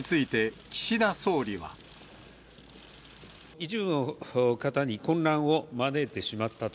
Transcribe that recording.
一部の方に混乱を招いてしまったと。